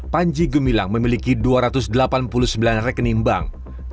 panji gumilang memiliki dua ratus delapan puluh sembilan rekening bank